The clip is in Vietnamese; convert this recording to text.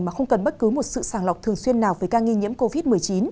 mà không cần bất cứ một sự sàng lọc thường xuyên nào về ca nghi nhiễm covid một mươi chín